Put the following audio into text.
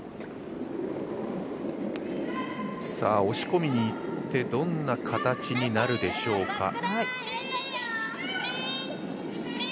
押し込みにいって、どんな形になるでしょうか？